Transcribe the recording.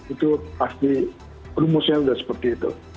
itu pasti rumusnya sudah seperti itu